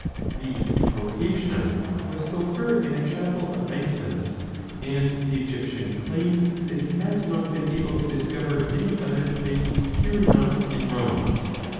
The evocation was to occur in a chapel of Isis, as the Egyptian claimed that he had not been able to discover any other place pure enough in Rome.